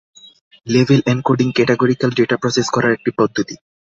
Label encoding categorical data process করার একটি পদ্ধতি।